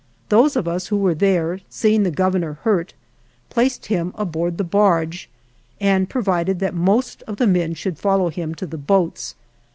Those of us who were there, seeing the Governor hurt, placed him aboard the barge and provided that most of the men should follow him to the boats.